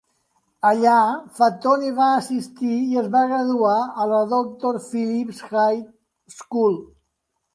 Allà, Fatone va assistir i es va graduar a la Doctor Phillips High School.